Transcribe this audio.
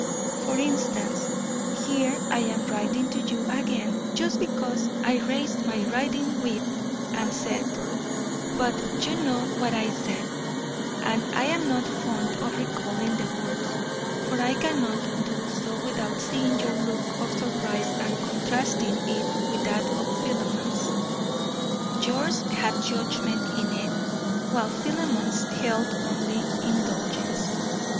For instance, here I am writing to you again just because I raised my riding whip and said But you know what I said, and I am not fond of recalling the words, for I cannot do so without seeing your look of surprise and contrasting it with that of Philemon's. Yours had judgment in it, while Philemon's held only indulgence.